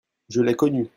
je l'ai connue.